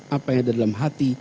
apa yang ada dalam hati